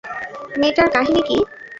মেয়েটার কাহিনী কী?